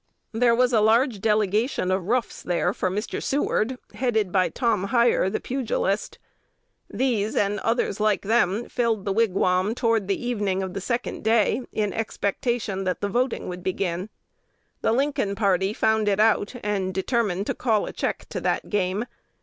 There was a large delegation of roughs there for Mr. Seward, headed by Tom Hyer, the pugilist. These, and others like them, filled the Wigwam toward the evening of the second day in expectation that the voting would begin. The Lincoln party found it out, and determined to call a check to that game.